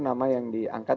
nama yang diangkat